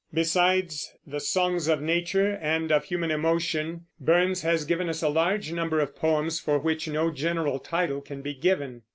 Besides the songs of nature and of human emotion, Burns has given us a large number of poems for which no general title can be given.